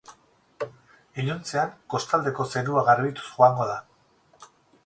Iluntzean kostaldeko zerua garbituz joango da.